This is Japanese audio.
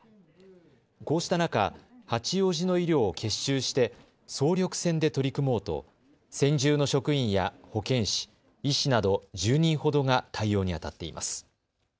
こうした中、八王子の医療を結集して総力戦で取り組もうと専従の職員や保健師、医師など１０人ほどが対応にあたっています。